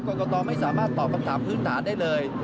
กรกตไม่สามารถตอบคำถามพื้นฐานได้เลย